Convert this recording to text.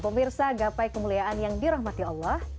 pemirsa gapai kemuliaan yang dirahmati allah